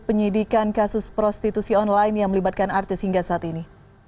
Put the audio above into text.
penyidikan kasus prostitusi online yang melibatkan artis hingga saat ini